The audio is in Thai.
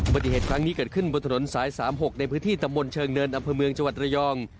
ปฏิเหตุครั้งนี้เกิดขึ้นบนถนนสาย๓๖ในพื้นที่ตำบลเชิงเนินอำเภอเมืองจังหวัดระยอง